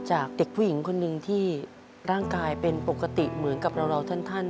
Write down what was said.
จากเด็กผู้หญิงคนหนึ่งที่ร่างกายเป็นปกติเหมือนกับเราท่าน